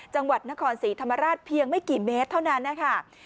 จังหวัดนครศรีธรรมราชเพียงไม่กี่เมตรเท่านั้นนะคะ